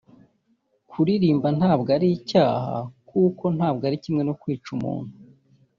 Kuririmba ntabwo ari icyaha kuko ntabwo ari kimwe no kwica umuntu